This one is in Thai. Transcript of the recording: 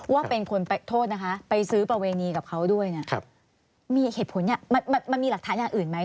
ว่าเป็นคนไปโทษนะคะไปซื้อประเวณีกับเขาด้วยเนี่ยมีเหตุผลมันมีหลักฐานอย่างอื่นไหม